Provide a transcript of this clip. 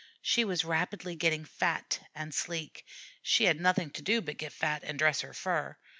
She was rapidly getting fat and sleek she had nothing to do but get fat and dress her fur.